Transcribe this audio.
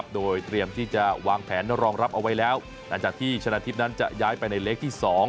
โดยเตรียมที่จะวางแผนรองรับเอาไว้แล้วหลังจากที่ชนะทิพย์นั้นจะย้ายไปในเล็กที่๒